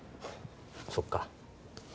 そっか。